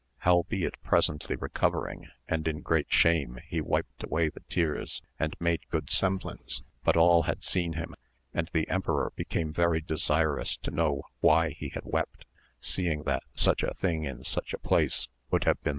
Howbeit presently recovering and in great shame he wiped away the tears and made good semblance, but all had seen him, and the emperor became very desirous to know why he had wept, seeing that such a thing in such a place would have been 294 AMADIS OF GAUL.